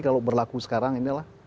kalau berlaku sekarang ini adalah